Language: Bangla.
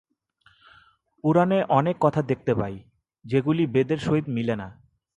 পুরাণে অনেক কথা দেখিতে পাই, যেগুলি বেদের সহিত মিলে না।